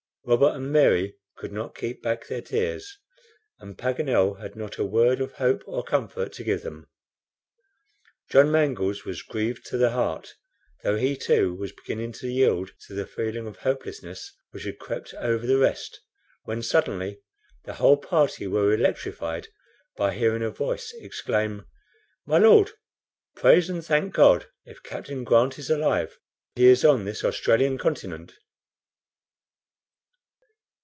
Robert and Mary could not keep back their tears, and Paganel had not a word of hope or comfort to give them. John Mangles was grieved to the heart, though he, too, was beginning to yield to the feeling of hopelessness which had crept over the rest, when suddenly the whole party were electrified by hearing a voice exclaim: "My Lord, praise and thank God! if Captain Grant is alive, he is on this Australian continent."